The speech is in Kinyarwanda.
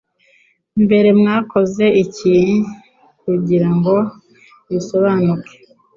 Mbere mwakoze iki kugirango bisobanuke?